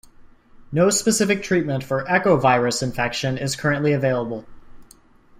No specific treatment for echovirus infection is currently available.